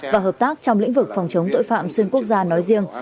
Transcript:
và hợp tác trong lĩnh vực phòng chống tội phạm xuyên quốc gia nói riêng